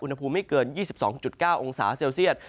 อากาศเริ่มเย็นอุณหภูมิไม่เกิน๒๒๙องศาเซลเซียต